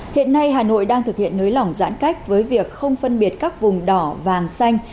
hiện nay hà nội đang thực hiện nới lỏng giãn cách với việc không phân biệt các vùng đỏ vàng xanh